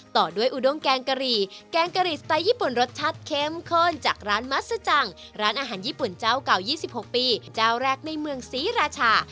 ต่อด้วยอุดงแกงกะหรี่แกงกะหรี่สไตล์ญี่ปุ่นรสชาติเข้มข้นจากร้านมัสจังร้านอาหารญี่ปุ่นเจ้าเก่า๒๖ปีเจ้าแรกในเมืองศรีราชา